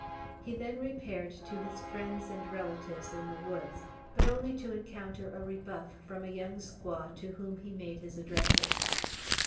He then repaired to his friends and relatives in the woods, but only to encounter a rebuff from a young squaw to whom he made his addresses.